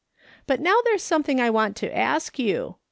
But now there's something I want to ask you.